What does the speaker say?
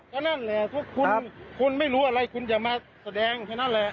ก็นั่นแหละถ้าคุณไม่รู้อะไรคุณอย่ามาแสดงเท่านั้นแหละ